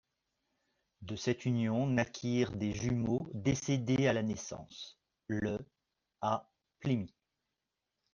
De cette union naquirent des jumeaux décédés à la naissance le à Plémy.